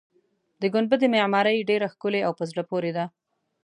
د ګنبدې معمارۍ ډېره ښکلې او په زړه پورې ده.